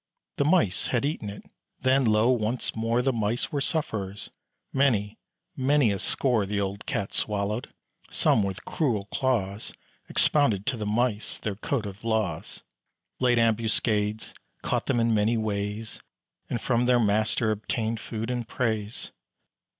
The Mice had eaten it; then, lo, once more The Mice were sufferers many, many a score The old Cats swallowed some, with cruel claws, Expounded to the Mice their code of laws; Laid ambuscades; caught them in many ways, And from their master obtained food and praise.